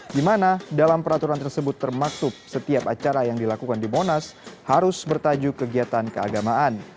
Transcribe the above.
di mana dalam peraturan tersebut termaksud setiap acara yang dilakukan di monas harus bertajuk kegiatan keagamaan